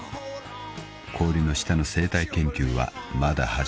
［氷の下の生態研究はまだ始まったばかりだ］